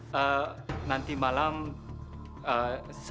kenapa anda rame rame sama saya